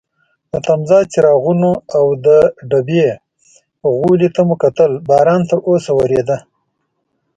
د تمځای څراغونو او د ډبې غولي ته مو کتل، باران تراوسه وریده.